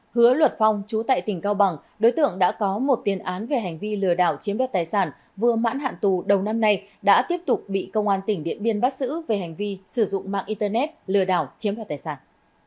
hứa luật phong trú tại tỉnh cao bằng đối tượng đã có một tiền án về hành vi lừa đảo chiếm đoạt tài sản vừa mãn hạn tù đầu năm nay đã tiếp tục bị công an tỉnh điện biên bắt xử về hành vi sử dụng mạng internet lừa đảo chiếm đoạt tài sản